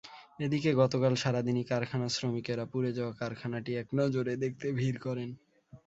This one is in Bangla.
এদিকে, গতকাল সারা দিনই কারখানার শ্রমিকেরা পুড়ে যাওয়া কারখানাটি একনজর দেখতে ভিড় করেন।